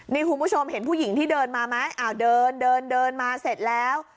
นี่คุณผู้ชมเห็นผู้หญิงที่เดินมาไหมอ้าวเดินเดินเดินมาเสร็จแล้ว